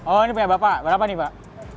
oh ini punya bapak berapa nih pak